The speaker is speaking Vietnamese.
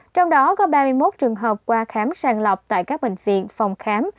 trong đó có ba mươi một trường hợp qua khám sàng lọc tại các bệnh viện phòng khám